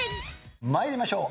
参りましょう。